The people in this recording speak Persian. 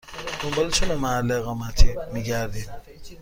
دنبال چه نوع محل اقامتی می گردید؟